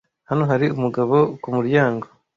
Hano hari umugabo kumuryango